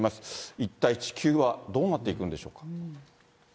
一体地球はどうなっていくんでしょうか。